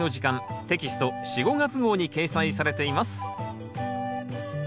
テキスト４・５月号に掲載されています